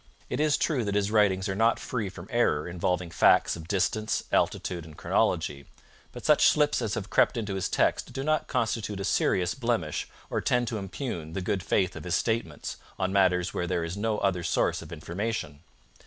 It is true that his writings are not free from error involving facts of distance, altitude, and chronology. But such slips as have crept into his text do not constitute a serious blemish or tend to impugn the good faith of his statements on matters where there is no other source of information.